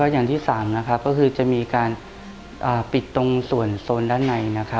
อย่างที่๓ก็คือจะมีการปิดตรงส่วนโซนด้านใน